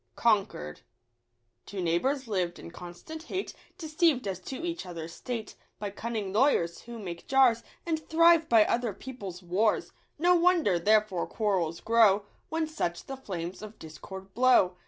Contort) Two neighbours lived in constant hate, Deceived as to each other's state By cunning lawyers, who make jars, And thrive by other people's wars ; No wonder therefore quarrels grow, When such the flames of discord blow.